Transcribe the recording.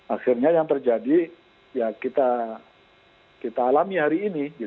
akhirnya yang terjadi ya kita alami hari ini